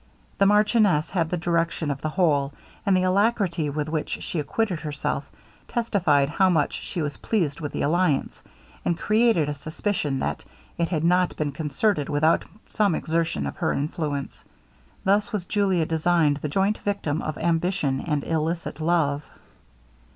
The marchioness had the direction of the whole; and the alacrity with which she acquitted herself, testified how much she was pleased with the alliance, and created a suspicion, that it had not been concerted without some exertion of her influence. Thus was Julia designed the joint victim of ambition and illicit love.